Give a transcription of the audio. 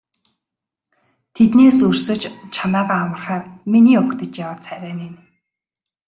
Тэднээс өрсөж чамайгаа аврахаар миний угтаж яваа царай энэ.